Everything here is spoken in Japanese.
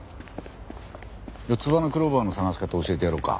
四つ葉のクローバーの探し方教えてやろうか？